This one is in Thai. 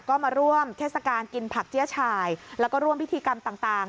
ก็มาร่วมเทศกาลกินผักเจี๊ยฉายแล้วก็ร่วมพิธีกรรมต่าง